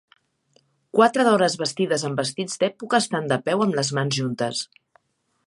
Quatre dones vestides amb vestits d'època estan de peu amb les mans juntes.